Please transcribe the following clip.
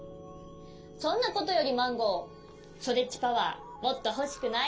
そんなことよりマンゴーストレッチパワーもっとほしくない？